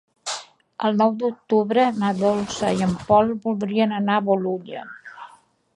El nou d'octubre na Dolça i en Pol voldrien anar a Bolulla.